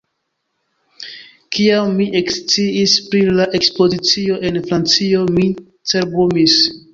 Kiam mi eksciis pri la ekspozicio en Francio, mi cerbumis.